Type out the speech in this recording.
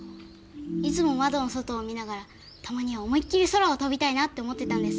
いつも窓の外を見ながらたまには思いっきり空を飛びたいなって思ってたんです。